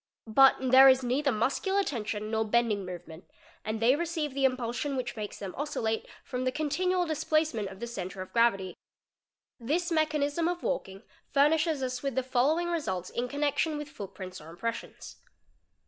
But there is neither muscular tension 4 nor bending movement and they receive the impulsion which makes them oscillate from the continual displacement of the centre of gravity, WALKING 507 This mechanism of walking furnishes us with the following results in connection with footprints or impressions.